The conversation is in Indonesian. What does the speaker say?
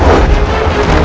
kau akan dihukum